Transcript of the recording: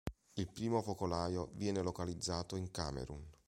Il primo focolaio viene localizzato in Camerun.